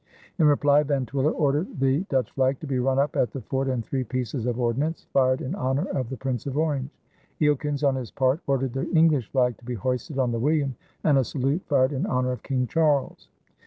In reply, Van Twiller ordered the Dutch flag to be run up at the fort and three pieces of ordnance fired in honor of the Prince of Orange. Eelkens on his part ordered the English flag to be hoisted on the William and a salute fired in honor of King Charles.